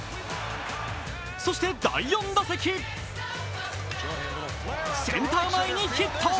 そして第４打席センター前にヒット。